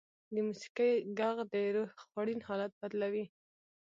د موسیقۍ ږغ د روح خوړین حالت بدلوي.